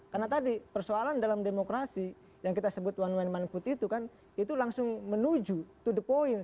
karena tadi persoalan dalam demokrasi yang kita sebut one man one put itu kan itu langsung menuju to the point